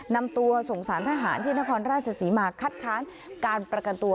นำตัวส่งสารทหารที่นครราชศรีมาคัดค้านการประกันตัว